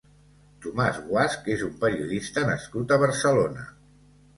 Tomás Guasch és un periodista nascut a Barcelona.